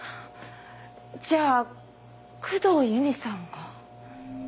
じゃあ工藤由美さんが。